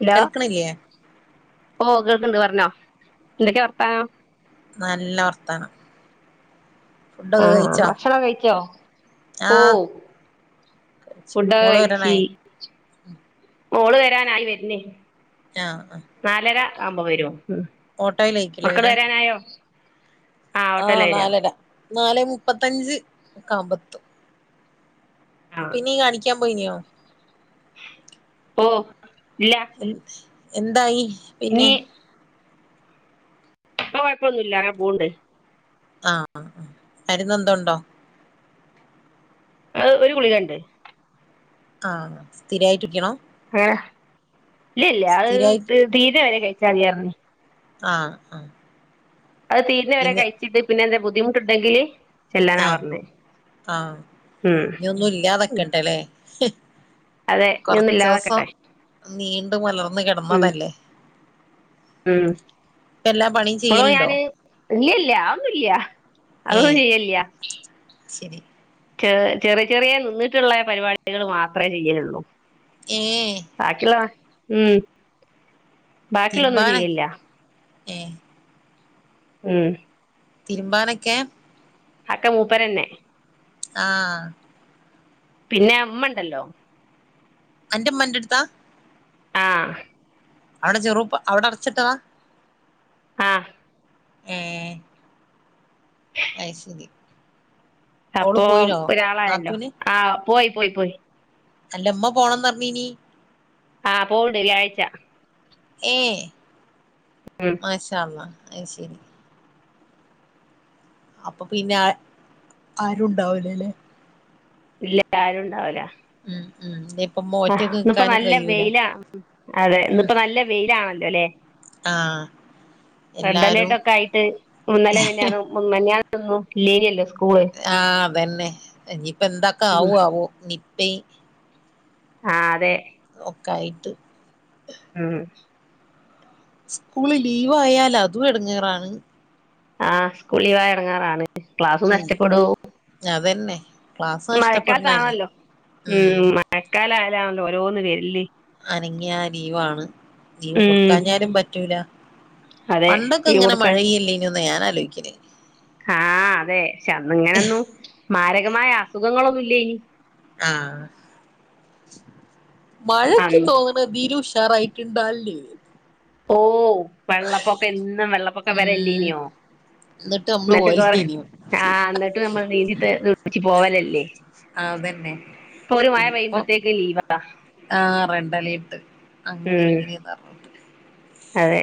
Hello കേൾക്കണ് ഇല്ലെ ഓ കേൾക്ക്ണ്ട് പറഞ്ഞോ എന്തൊക്കെ വർത്താനം നല്ല വർത്താനം ആ ഫുഡൊക്കെ കഴിച്ചോ ഭക്ഷണം കഴിച്ചോ ഓ ആഹ് കഴിച്ചു ഫുഡൊക്കെ മോള് കഴിച്ചി വരണായോ മോള് വരാനായി വെര്ൻ ആ ആ ആവ്മ്പോ വരോ ഉം മക്കൾ വരാനായോ ആ ഓട്ടോയിലാ വരാ നാലര നാല് മുപ്പത്തഞ്ച് കായ്മ്പോ എത്തും ആഹ് പിന്നീ കാണിക്കാൻ പോയിന്യോ? ഓ ഇല്ല ഇൽ എന്തായി? പിന്നെ ആ കൊഴപ്പൊന്നുമല്ല ഞാൻ പോ ഉണ്ട്. ആഹ് മരന്ന് എന്തുണ്ടോ? അ ഒരു ഗുളികണ്ട്. ആഹ് സ്ഥിരായിറ്റുടിക്കണോ? ഹേ ഇല്ല ഇല്ല സ്ഥിരായിട്ട് അത് തീരെ വരെ കഴ ചരിറിഞ്ഞ. ആഹ് ആഹ്. അത് തീരിനെ വരെ പിന്നെ കഴിച്ചിട്ട് പിന്നെ എന്തെ ബു ബുദ്ധിമുട്ടുണ്ടങ്കില് ആഹ് ആഹ് ഉം ഇനി ഒന്നും ഇല്ലാതൊക്കണ്ടല്ലേ. അതെ ഇനി ഒന്നും കൊറച്ചവസം ഇല്ലാതാക്കട്ടെ നീണ്ട മലർന്ന ഉം കിടന്നതല്ലേ. ഉം ഇപ്പ എല്ലാ പണിയും ഇപ്പോഴ ചെയ്യലുണ്ടോ ഞാന് ഇല്ല ഇല്ല അന്നോല്യയ അത ഏഹ് ചെയ്യല്ലയ ശരി ചെ ചെറിയ ചെറിയ നിന്നിട്ടുള്ള പരിപാടികൾ മാത്രമേ ചെയ്യലുള്ളൂ ഏയ് ബാക്കിയുള്ള ഉം ബാക്കിയുള്ളൊന്നും ചെയ്ല്ല ഏ ഉം തിരുമ്പാനൊക്കെ അക്ക മൂപ്പരെന്നെ ആ പിന്നെ അമ്മ ണ്ടല്ലോ എന്റെ മ്മൻ്റെ എടുത്താ ആ അവിടെ ചെറുപ്പ് അവിടെ അടച്ചിട്ടവാ ആഹ് ഏഹ് അയ് ശരി ഓള് അപ്പോം പോയിനോ ഒരാളായല്ലോ ആ പോയി പോയി പോയി അല്ലമ്മ പോണംന്ന് പറഞ്ഞീനി ആഹ് പോണ്ട് വ്യാഴാഴ്ച്ച ഏഹ് ഉം മാശാ അള്ളാ അയ് ശരി അപ്പൊ പിന്നെ ആരുണ്ടാവൂലേല്ലേ ഇല്ല ആരും ഉണ്ടാവൂല ഉം ഉം ഇപ്പമ്മ ഹാ ഒറ്റക്ക് ഇന്ന് ഇപ്പോ നിക്കാനും നല്ല കഴിയൂല വെയിലാണല്ലോ അതെ ഇന്ന് ഉം ഇപ്പോ നല്ല വെയില് ആണല്ലേ അല്ലേ ആഹ് റെഡ് എല്ലാരും അലേർട്ട് ഒക്കെ ആയിട്ട് ഇന്നെലെ മിനിഞാനും മിനിഞാന്ന് ഇല്ലേയ്നി അല്ലേ ആ അതന്നെ ഇനിയിപ്പ എന്തൊക്ക ഉം ആവോ ആവോ നി പെയ് ആ അതെ ഒക്ക ആയിട്ട് ഉം സ്കൂള് ലീവ് ആയാൽ അതും എടങ്ങറാണ് ആ സ്കൂള് ലീവിയ ഇറങ്ങാറാണ് ക്ലാസ് ഉം നഷ്ടപ്പെടൂ അതന്നെ ക്ലാസ് നഷ്ടപ്പെടണന്നെ മഴക്കാലത്താണല്ലോ ഉം മഴക്കാല ണല്ലോ രോന്നന്ന് വരല് അനങ്ങിയ ആ ലീവാണ് ലീവ് ഉം കൊടുക്കാഞ്ഞാലും പറ്റൂല അതെ പണ്ടൊക്കെ ലീവ് ഇങ്ങനെ മഴയിയല്ലേൊന്ന് ഞാൻ ആലോചിക്ക ആ അതെ ശെ ഇങ്ങനൊന്നും മാര രകമായ അസുഖങ്ങളൊന്നു ഇല്ലേനി. ആഹ് മഴ ഇക്ക്യി അന്ന് തോന്ന്ണ് ഇതിലും ഉഷാറായി കിണ്ടാ അല്ലേ? ഓഹ് വെള്ളപ്പൊക്കെ എന്നും വെള്ളപ്പൊക്കം വരെ ഉം ഇല്ലേനിയോ. എന്നിട്ട് നമ്മള് ഇന്നട്ട് [unintelligible] പോയില്ലേനോ ആഹ് ഇന്നട്ട് നമ്മൾ നീന്തി തെ തെളിപ്പിച്ച് പോവലല്ലേ. അതന്നെ ഇപ്പൊ ഒരു മഴ ഇപ്പൊ പെയ്യുമ്പഴ്ത്തേക്ക് ലീവാ. ആഹ് റെഡ് അലേർട്ട് അങ്ങനെ ഉം ഇങ്ങനെന്ന് പറഞ്ഞിട്ട് അതേ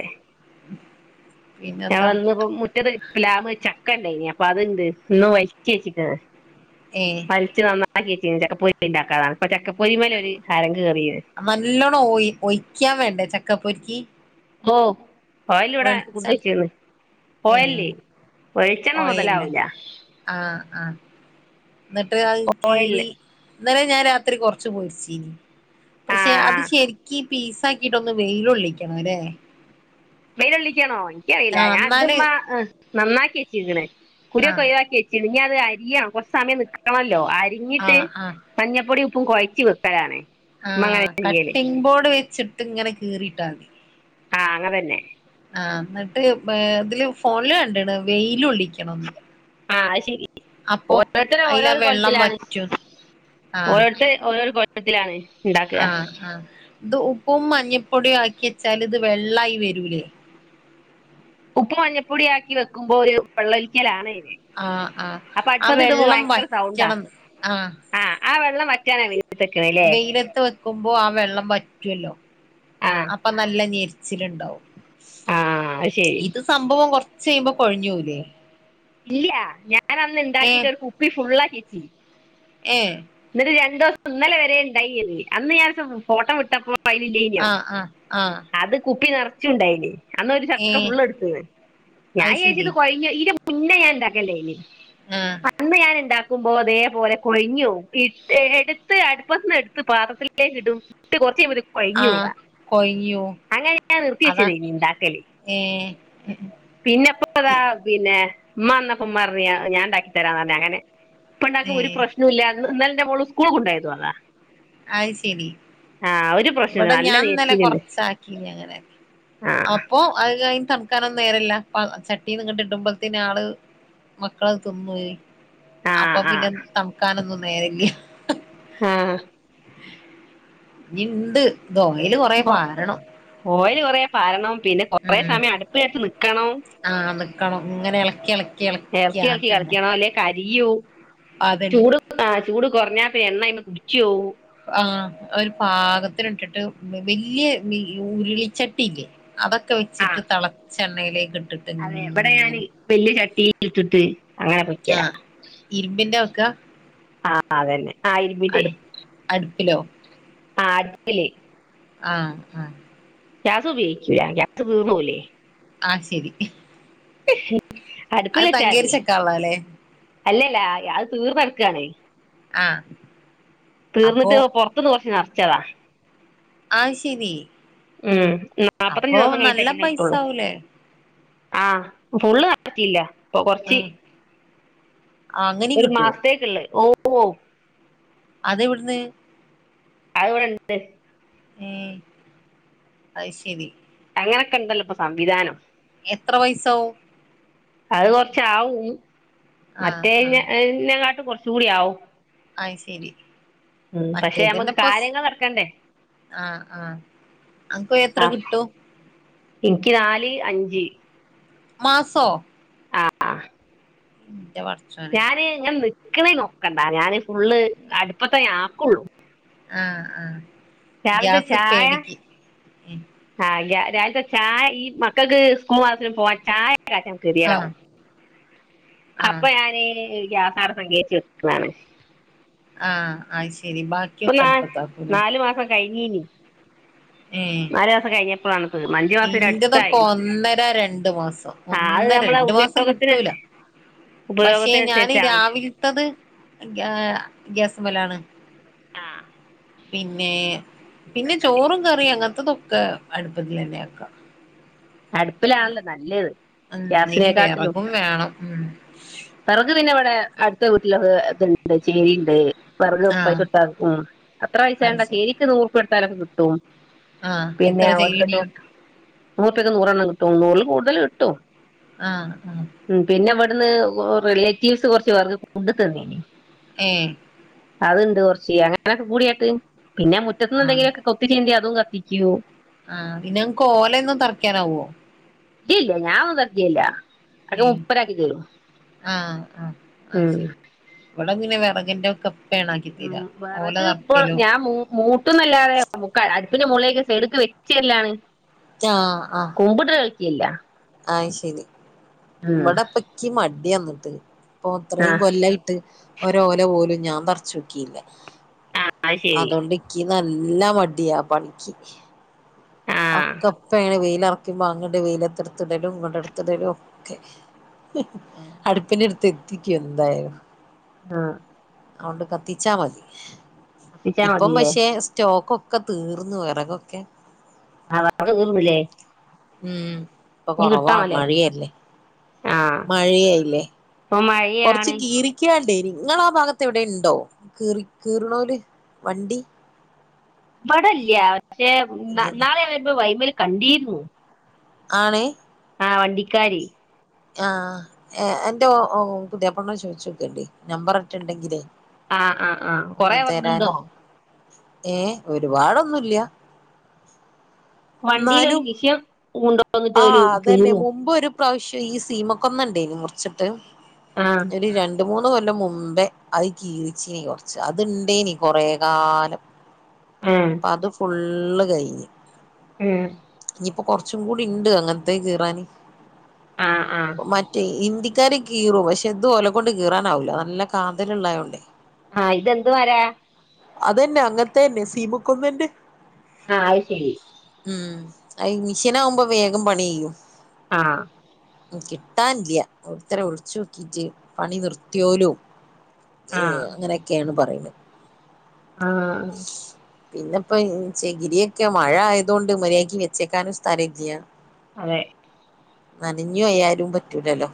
ഞങ്ങൾ പിന്നെന്താ ഇന്ന് ഇപ്പം മുറ്റത്ത് പ്‌ലാമ്മ ച ക്കണ്ടായ്നി. അപ്പ അത് ണ്ട് ഇന്ന് [unintelligible] വെച്ച്ക്ക്ണ്. ഏഹ് വല്ച്ച് നന്നാ [unintelligible] നല്ലവണ്ണംഒയ് ഒഴിക്കാൻ വേണ്ട ച ക്ക പൊരിക്കും. ഓ ഓയില് ഇവടെ ഫുഡ് വെച്ചിരുന്ന്, ഏഹ് ഓയിലില്ലേ വെളിച്ചെണ്ണ ഓയലില് മുതലാവില്ല. ആഹ് ആഹ് എന്നിട്ട് അത് കീറി ഇന്നലെ ഞാൻ രാത്രി കൊറച്ച് പൊളിച്ചീനി, ആ പക്ഷേ അത് ആ. ശെരിക്ക് പീസ് ആക്കിയിട്ട് ഒന്ന് വെയിൽ കൊള്ളിക്കണം ല്ലെ? വെയിലൊള്ളി ക്കണോ? എനിക്കറിയില്ല, ഞാൻ ഇത് ഉമ്മ നനാക്കി ക്ക്ണ് കുടിയൊക്കെ ആഹ് ഒഴിവാക്കി വെച്ചീണ്, ഇനി അ അരിയാൻ കൊറച്ച് സമയം നിക്കണല്ലോ? അരിഞ്ഞിട്ട് ആഹ് മഞ്ഞപ്പൊടിയും ഉപ്പ് പ്പും കുഴച്ച് വെക്കലാണ്. ആ ഉമ്മ അങ്ങനെ ചെയ്യല് കട്ടിങ്ങ് ബോർഡ് വെച്ചി ട്ടിങ്ങനെ കീറിയിട്ടാതി. ആ അങ്ങനെ തന്നെ. ആ അന്നിട്ട് ഏഹ് ഇതില് ഫോണില് കണ്ടിണ്, വെയില് കൊള്ളിക്കണന്ന്‌. ആ അത് ശെരി. ഓരോരുത്തര് അയിലാ ഓരോരോ വെള്ളം കോലത്തിലാണ്, വറ്റും ഓരോരുത്തര് ഓരോരോ കോ [unintelligible] ലാണ് ആ ആ ഇത് ഉപ്പും മഞ്ഞപ്പൊടിയും ആക്കി വെച്ച് ച്ചാൽ ഇത് വെള്ളായി വെരൂല്ലേ? ഉപ്പും മഞ്ഞപ്പൊടിയും ആക്കി വെക്കുമ്പോ ഒര് വെള്ള ഒലിക്കലാണത് ആഹ് ആഹ് ആ വെള്ളം ഭയങ്കര സൗണ്ടാ വറ്റണംന്ന് ആഹ് ആ ആ [unintelligible] വെയിലത്ത് വെക്കുമ്പോ ആ വെള്ളം വറ്റ് [unintelligible] ആ അപ്പൊ നല്ല നീര് ച്ചില്ണ്ടാവും. ആ അത് ശരി ഇത് സംഭവം കൊറച്ച് ചെയ്യുമ്പോ കൊഴഞ്ഞോവൂലേ? ഇല്ല ഞാ ഞാനന്ന് ഇണ്ടാക്കിട്ട് ഒരു കുപ്പി ഫുള്ളാക്ക് ഏ രണ്ടുസം ഇന്നലെ വരെെയണ്ടായിരുന്നു അന്ന് ഞാൻ ഫോട്ടോ വിട്ടപ്പോൾ പ്പയ്ലില്ലേയ്നോ ആഹ് ആഹ് ആഹ് അത് കുപ്പി നേർ ച്ചു ണ്ടായ്ല് അന്ന് ഒരു ഏ ചക്ക ഫുള്ള് എടുത്തീന്ന് ഞാൻ അത് ശരി ജാരിച്ത് കൊഴഞ്ഞ് ഇരു കുഞ്ഞ ഞാൻന്താകല്ലേയ്ന് ആഹ് അന്ന് ഞാൻ എണ്ടാക്ക ക്കുമ്പോ അതേപോലെ കൊഴിഞ്ഞ് പോകും എടുത്ത് അടുപ്പന്ന് എടുത്ത് പാത്രത്തിലേക്ക് ഇടും ഇട്ട് കൊറച്ചേയ്മ്പോക്ക് കൊയ്ഞ്ഞു ആഹ് പോവാ കൊഴിഞ്ഞു അങ്ങനെ ഞാൻ നിർത്തി അതാ വെച്ചതേയ്നീ ന്താക്കല് ഏ പിന്നെപ്പോതാ ഇ- പിന്നേ ഉമ്മന്നപ്പോ ഉമ്മ പറഞ്ഞ് ഞാ ഞാൻ ഉണ്ടാക്കി തരാ പറഞ്ഞ അങ്ങനെ ഏ പണ്ടാക്കും ഒരു പ്രശ്നൊ ഇല്ല എന്നല്ല ഇന്നലെ ന്റെ മോൾ സ്കൂൾകുണ്ടായിരുന്നു അതാ അയ്ശരി ആ ഒരു പ്രശ്നമില്ല ഇവിടെ നല്ല ഞാൻ ന്നലെ നേർച്ചയിലുണ്ട് കൊറച്ചാക്കിന്നിങ്ങനെ ആ അപ്പൊ അത് കഴിഞ്ഞ്തണ കക്കാനൊന്നും നേരല്ല ചട്ടീന്നങ്ങട്ട് ഇട്ടുമ്പോഴത്ത ആള് മക്കളത് തിന്ന ആ അപ്പൊ ആ പിന്നെ തണക്കാനൊന്നും നി നേരി [unintelligible] ആ നിന്ത് ദോ യല് കൊറെ പുറത്ത് പാരണം [unintelligible] കൊറേ പാരണം പിന്നെ കൊറേ ഉം സമയം അടുപ്പ്ടുത്ത് നിക്കണം ആഹ് നിക്കണം ഇങ്ങനെ എളക്കി എളക്കി എളക്കി എള്ക്കി എള്ക്കി കളിക്കണം അല്ലേ കയ് അയ്യോ അതെ ചൂട് കൊർഞ്ഞാ എണ്ണയ്മേ കുടിച്ചോവും ആ ഒരു പാകത്തിന് ഇട്ടിട്ട് വല്യ ഉരുളിച്ചട്ടിയില്ലേ അതൊക്കെ വെച്ചിട്ട് ആഹ് തെളച്ച് ചണ്ണയിലേക്ക് അതെ ബടെ ഞാനെയ് വല്ല്യ ചട്ടി ട്ടിട്ട്ട്ടേയ് അങ്ങനെ പൊരിക്കല ക്ക ആ അതന്നെ ആ ഇരിമ്പിന്റെ ഹലോ ആ അട്പ്പില് ആഹ് ആഹ് ഗ്യാസ് ഉപയോഗിച്ചൂല്ല ഗ്യാസ് തീർന്നോവൂലെ. ആഹ് ശരി അടുപ്പിൽ അത് തങ്കേര്ച്ചെക്കാൻ ഉള്ളതല്ലേ ല്ലാ അത് തീർന്ന് കടക്കാണേ. ആഹ് അപ്പൊ തീർന്നിട്ട് പ്പ പുറത്ത്ന്ന് കൊർച്ച് നർ ച്ചതാ. അത് ശരി ഉം നാല്പത്തഞ്ച് അപ്പൊ ദിവസം കഴിഞ്ഞിട്ടേ നല്ല പിന്നെ പൈസ ഇട്ടൊള്ളു ആവൂലേ ആഹ് ഫുള്ള് [unintelligible] ഇപ്പൊ കൊറച്ച് ഏഹ് അങ്ങനിം ഒരു കിട്ടോ മാസത്തേ‌ക്കിള്ള് ഓ [unintelligible] അതെവിടുന്ന് അതിവിടെണ്ട്. ഉം അത് ശരി അങ്ങനെക്കെ ഇണ്ടല്ലോ ഇപ്പൊ സംവിധാനം. എത്ര പയ്സാവും അത് കൊറച്ചാവും ആഹ് മറ്റേ ആഹ് [unintelligible] കുറച്ചും കൂടിയാവും അത് ശരി പക്ഷെ നമ്മക്ക് മറ്റേതിന്റെപ്പസ് കാര്യങ്ങൾ നടക്കണ്ടേ ആഹ് ആഹ് അതിക്ക് പോയ എത്ര ആഹ് കിട്ടും? എനിക്ക് നാല് അഞ്ച് മാസോ ആഹ് ഉം ഞാനേ [unintelligible] [unintelligible] നോക്കണ്ടാ ഞാന് ഫുള്ള് അടുപ്പത്തേ ഞാൻ ആക്കുള്ളു ആഹ് ആഹ് രാവിലത്തെ ഗ്യാസ് ചായ പേടിക്ക് ആഹ് ഗ്യാ ലത്തെ ചായ ഈ മക്കക്ക് സ്കൂ [unintelligible] പോവാൻ ചായ ആഹ് [unintelligible] അപ്പ ആഹ് ഞാന് [unintelligible] ആഹ് അയ് ശ് ശരി ബാക്കിയൊക്കെ അടുപ്പത്താക്കൂല്ലേ. കയിഞ്ഞേനി നാലു മാസം കഴിഞ്ഞപ്പഴാണ് തീ ഇന്റോതൊക്ക ഒന്നര രണ്ടു മാസം ആ അത് ഒന്നര നമ്മളെ രണ്ടു മാസം ഉപയോഗത്തിന് കിട്ടൂല പക്ഷെ ഞാന് ഉപയോഗത്തിനനുസരിച്ചാണ് രാവിലത്തത് ഗ്യാ ഗ്യാസ് മലാണ് ആ പിന്നെ പിന്നെ ചോറും കറിയും അങ്ങനത്തതൊക്കെ അടുപ്പത്തിൽ തന്നെയാണ് ക്ക അടുപ്പിലാണല്ലോ നല്ലത് ഉം ഇനി ഗ്യാസിനെ കാട്ടിലും വിറകും വേണം ഉം വെറക് പിന്ന ഇവിടെ അടുത്ത വീട്ടിലൊക്കെ ഇത്ണ്ട് ചേരി ഇണ്ട് വെറക് ആഹ് പൈസകൊടുത്തമതി ഉം അത്ര പൈസ വേണ്ട ചേരിക്ക് നൂറുപ്പിക കൊടു വെറക് കിട്ടും ആ എത്ര ചെകിരി കിട്ടും [unintelligible] ക്ക് നൂറണ്ണം കിട്ടും നൂറിൽ കൂടുതല് കിട്ടും ആ ആ അവിടന്ന് റിലേറ്റീവ്സ് കുറച്ച് പേർക്ക് ഫുഡ്‌ തന്നിനി ഏഹ് അത്ണ്ട് കുറച്ച് അങ്ങനൊക്കെ കൂടിയാട്ട് പിന്ന മുറ്റത്ത്ന്ന് ആഹ് എന്തെങ്കിലു ഒക്കെ കൊത്തി ചീന്തി അ അതും കത്തിക്കും ആഹ് പിന്ന അങ്ങക്ക് ഓലേന്നും തറയ്ക്കാനാവോ ഇല്ല ഞാനൊന്നും തറയ്ക്കില്ല അതൊക്കെ ഏഹ് മുപ്പരാക്കി തരും ആഹ് ആഹ് അത് ഉം ശരി ഇവിടെ ഇങ്ങനെ വിറകിന്റെ ഒക്കെ ഇപ്പയാണ് ആക്കി ഉം തരാ ഓല വിറക് ഇപ്പോൾ തറക്കലും ഞാൻ മു മൂട്ടിന്നല്ലാതെ നമുക്ക് അടു പിന്നെ മൊളേക്കെ സൈഡിക്ക് വെച്ചല്ലാണ് ചാ ആ ഇല്ല അയ്ശരി ഇവിടെപ്പക്കി മ ടിയന്നിട്ട് അപ്പൊ അത്രയും ആഹ് കൊല്ലായിട്ട് ഓരോല പോലും ഞാൻ ബറിച്ചു വെയ്ക്കില്ല അത് ശരി അതൊണ്ട്ക്കി നല്ല മടിയാ പണിക്ക് ആഹ് അക്കപ്പോ ക്കുമ്പോ അങ്ങട് വെയിലത്തെടുത്തിടലും ഇങ്ങട്ട് എടുത്തിടലും ഒക്കെ ആഹ് അടുപ്പിനെടുത്ത് ത്തിക്കു എന്തായൊ ആ അത്കൊണ്ട് കത്തിച്ചാ മതി കത്തിച്ചാ ഇപ്പം മതില്ലേ പക്ഷെ സ്റ്റോക്കൊക്ക് ഒക്കെ തീർന്നു വെറകൊക്കെ ആ വെറക് കീറൂലെ ഉം ഇപ്പൊ കൊറവാ മഴിയല്ലേ ആഹ് മഴയായില്ലേ ഇപ്പൊ കൊർച്ച് മഴയാണ് കീറിക്കാണ്ടെ ങ്ങളാ ഭാഗത്ത് എവിടെണ്ടോ കീറി കീറ്ണോല് വണ്ടി വടല്യാ പക്ഷെ നാ ഇതിന് നാളെ ഞാവരുമ്പം വൈമ് ല് കണ്ടീര്ന്നു ആണ് ആ വണ്ടിക്കാരി ആ എന്റെ ഒ ഓ പുതിയപ്പൾനോട് ചോയ്ചോക്കണ്ടി നമ്പറെറ്റ ഇണ്ടെങ്കിലേ ആ ആ ആ കൊറെ ഒന്ന് തരാന് [unintelligible] ഏ ഒരു പാടൊന്നുല്ല്യ വണ്ടിലൊരു മിഷം ആ അതന്നെ [unintelligible] മുമ്പ് ഒരു പ്രാവശ്യം ഈ സീമക്കൊന്ന ഇണ്ടേന് മുർച്ച്ട്ട് ആഹ് [unintelligible] ണ്ട് മൂന്ന് കൊല്ലം മുമ്പേ അത് കീറിചെനി കൊർച്ച് അത്ണ്ടേനി കൊറെ കാലം ആഹ് അപ്പത് ഫുള് ഇള്ള് കയ്ഞ് ഉം ഇപ്പോ കൊറച്ചും കൂടി ഇണ്ട് അങ്ങനത്തെ കീറാന് ആഹ് ആഹ് മറ്റേ ഇന്തി ഇക്കാന് കീറും പക്ഷെ ഇതും ഒല കൊണ്ട് കീറാനാവില്ല നല്ല കാന്തൽ ഉള്ളായൊണ്ടെ ആ ഇതെന്ത് മര അതന്നെ അങ്ങനത്തെന്നെ സീമക്കൊന്നന്റെ ആ അയ് ശരി ഉം അ മിഷീൻ ആവുമ്പോ വേഗം പണി ചെയ്യും ആ ഉ കിട്ടാനില്ല ഒരുത്തരെ വിളിച്ചു നോക്കിട്ട് പണി നിർത്തിയോലും ഏ അങ്ങനെക്കെയാണ് പറയുന്ന ആ പിന്നെപ്പോ ഇൻ ചഗിരിയൊക്കെ മഴ ആയതൊണ്ട് മര്യാക്കി വെച്ചേക്കാനും സ്ഥലം ഇല്ല്യ അതെ നനഞ്ഞും പോയാലും പറ്റൂലല്ലോ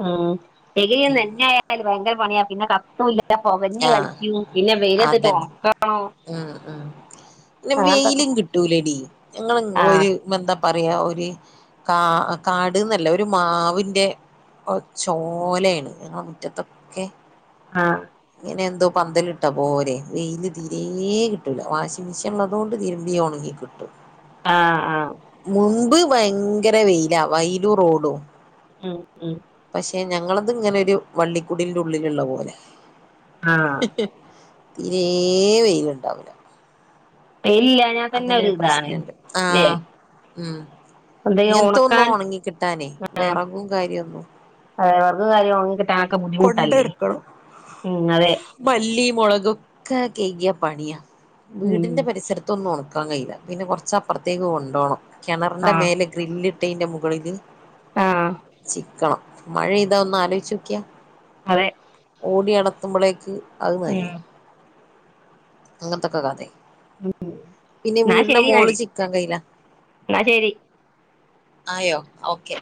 ഉ ഡഗരിന്ന് [unintelligible] എന്നന്നൊയല് ഭയങ്കര പണിയ പിന്നെ കത്തുല്ലാ ഇല്ല പൊവഞ്ഞഞ് ആഹ് കളിക്കൂ പിന്നെ വെയിലത്തിട്ട് അതന്നെ ഉണക്കണോ ഉം [inaudible] പിന്നെ അങ്ങനത്തൊക്കെ വെയിലും കിട്ടൂലടി ഞങ്ങ ആ ഒരു എന്താ പറയാ ഒരു കകാട്ന്നല്ല ഒരു മാവിന്റെ ചോലയാണ് മുറ്റത്തൊക്കെ ആ ഇങ്ങനെ എന്തോ പന്തലിട്ടാ പോരെ വെയില് തിരെ കിട്ടൂല വാഷിങ്മെഷീൻ ഉള്ളതുകൊണ്ട് തിരുമ്പിയ ഉണെങ്കിൽ കിട്ടും ആ ആ മുമ്പ് ഭയങ്കര വെയിലാ വൈലു റോഡും ആ ഏ ഞങ്ങളത് ഇങ്ങനെ ഒരു വള്ളിക്കൂടിലിന്റെ ഉള്ളിലുള്ള പോലെ ആ തിരേ വെയിലുണ്ടാവില്ല ഇല്ല ഞാൻ തന്നെ ഒരു ഇതാണ് ഇല്ലേ മം എന്തും ഉണക്കാൻ വിറകും കാര്യൊന്നും ആ വർഗ കാര്യം ഉണങ്ങ കിട്ടാനൊക്കെ ബുദ്ധിമുട്ടല്ലേ കൊണ്ടെടുക്കണം ഉം അതെ മല്ലി മുളകൊക്കെ കൈക്കിയാ പണിയ ഉം വീടിന്റെ പരിസര- ഒന്നും നക്കാൻ കഴയില്ല പിന്നെ കൊറച്ച അപ്പുറത്തേക്ക് കൊണ്ടോണം കിണറിന്റെ ആ മേലെ ഗ്രില്ല് തത്തേൻന്റെ മുകളിൽ ആ ചിക്കളം മഴ ഇതാ ഒന്ന് ആലോചിച്ചു നോക്കിയാ അതെ ഓടി നടത്തുമ്പോഴേക്ക് അത് ഉം അങ്ങത്തെക്ക കഥെ [unintelligible] പിന്നെ എന്നാ വീടിന്റെ ശരി മോള് എന്നാല് ചിക്കാൻ കയ്യില എന്നാ ശരി ആയോ ഓക്കെ